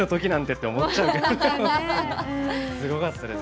すごかったです